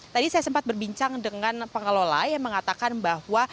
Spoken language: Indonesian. tadi saya sempat berbincang dengan pengelola yang mengatakan bahwa